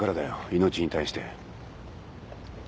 命に対して。